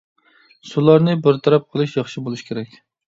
سۇلارنى بىر تەرەپ قىلىش ياخشى بولۇشى كېرەك.